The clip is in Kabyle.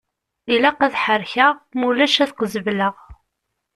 Ilaq ad ḥerrekeɣ mulac ad qezbeleɣ!